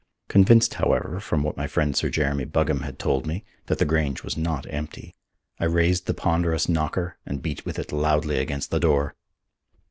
Convinced, however, from what my friend Sir Jeremy Buggam had told me, that the Grange was not empty, I raised the ponderous knocker and beat with it loudly against the door.